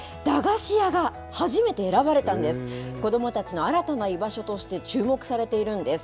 子どもたちの新たな居場所として注目されているんです。